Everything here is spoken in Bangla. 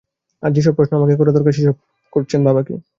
আর যে-সব প্রশ্ন আমাকে করা দরকার, সেসব করছেন বাবাকে।